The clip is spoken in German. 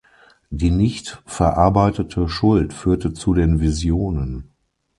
Die nicht verarbeitete Schuld führte zu den Visionen.